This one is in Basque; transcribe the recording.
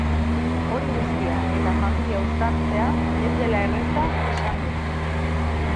Hori guztia eta familia uztartzea ez dela erraza esan du.